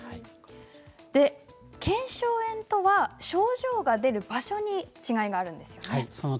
腱鞘炎とは症状が出る場所に違いがあるんですよね。